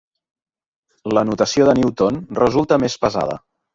La notació de Newton resulta més pesada.